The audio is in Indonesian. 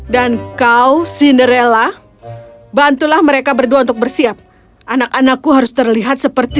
dan kau cinderella dan bentuklah mereka berdua untuk bersiap anak anakku harus terlihat seperti